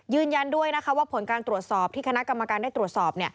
ยืนยันด้วยนะคะว่าผลการตรวจสอบที่คณะกรรมการได้ตรวจสอบ